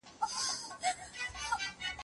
د ټولني ذهنیت د درواغجنو تبلیغاتو له امله خراب سو.